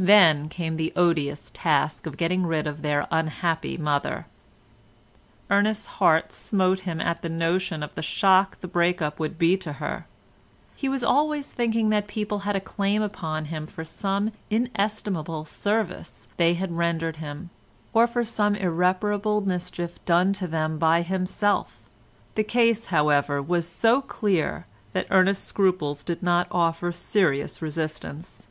Then came the odious task of getting rid of their unhappy mother. Ernest's heart smote him at the notion of the shock the break up would be to her. He was always thinking that people had a claim upon him for some inestimable service they had rendered him, or for some irreparable mischief done to them by himself; the case however was so clear, that Ernest's scruples did not offer serious resistance.